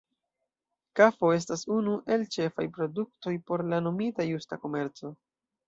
Kafo estas unu el ĉefaj produktoj por la nomita Justa komerco.